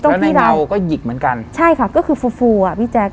แล้วในเงาก็หยิกเหมือนกันใช่ค่ะก็คือฟูอ่ะพี่แจ๊ก